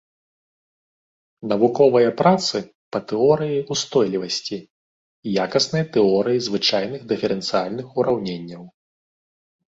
Навуковыя працы па тэорыі устойлівасці, якаснай тэорыі звычайных дыферэнцыяльных ураўненняў.